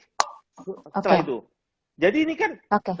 apa itu jadi ini kan